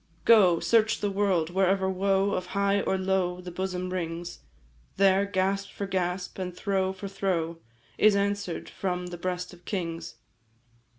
"Go, search the world, wherever woe Of high or low the bosom wrings, There, gasp for gasp, and throe for throe, Is answer'd from the breast of kings.